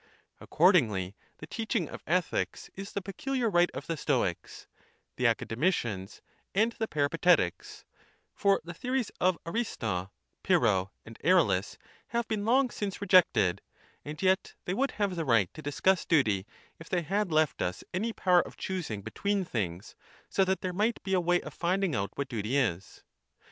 Accordingly, the teach ing of ethics is the pecuhar right of the Stoics, the Academicians, and the Peripatetics ; for the theories of Aristo, Pyrrho, and Erillus have been long since rejected; and yet they would have the right to dis cuss duty if they had left us any power of choosing between things, so that there might be a way of fmding out what duty is.